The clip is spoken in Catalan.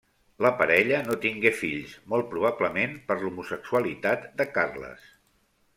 La parella no tingué fills, molt probablement per l'homosexualitat de Carles.